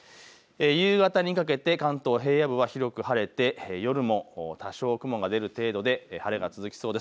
夕方にかけて関東平野部は広く晴れて夜も多少雲が出る程度で晴れが続きそうです。